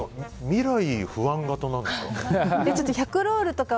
未来不安型なんですか？